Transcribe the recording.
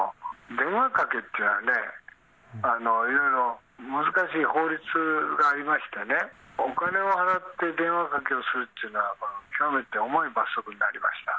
電話かけっていうのは、いろいろ難しい法律がありましてね、お金を払って電話かけをするっていうのは、極めて重い罰則になりました。